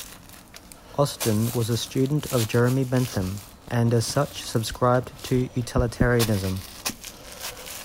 Austin was a student of Jeremy Bentham, and as such subscribed to Utilitarianism.